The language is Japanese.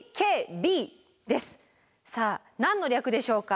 さあ何の略でしょうか？